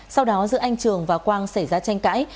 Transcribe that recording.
sau đó giữa anh trường và quang xảy ra tranh cãi